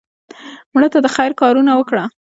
مړه ته د خیر کارونه وکړه